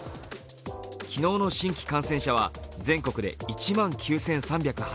昨日の新規感染者は全国で１万９３８７人。